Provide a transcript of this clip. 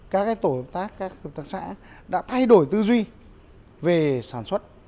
các tổ tác các tổ tác xã đã thay đổi tư duy về sản xuất